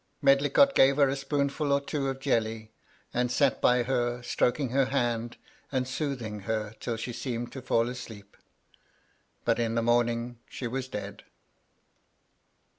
Medlicott gave her a spoonftd or two of jelly, and sat by her, stroking her hand, and soothing her till she seemed to fall asleep. . But in the morning she was dead."